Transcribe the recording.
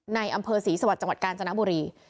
ในอำเภอศรีสวรรค์จังหวัดกาญจนบุรี